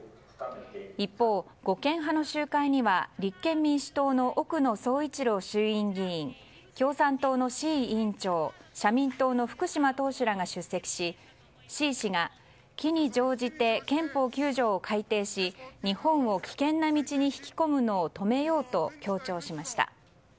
一方、護憲派の集会には立憲民主党の奥野総一郎衆院議員共産党の志位委員長社民党の福島党首らが出席し志位氏が機に乗じて憲法９条を改定し日本を危険な道に引き込むのを止めようと強調しました。